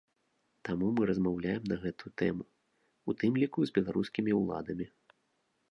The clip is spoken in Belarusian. Таму мы размаўляем на гэтую тэму, у тым ліку з беларускімі ўладамі.